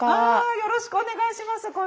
あよろしくお願いします。